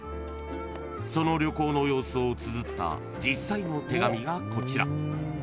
［その旅行の様子をつづった実際の手紙がこちら］